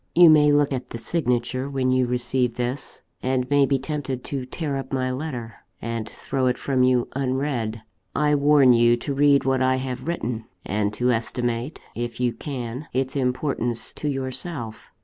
"You may look at the signature when you receive this, and may be tempted to tear up my letter, and throw it from you unread. I warn you to read what I have written, and to estimate, if you can, its importance to yourself.